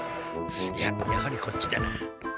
いややはりこっちだな。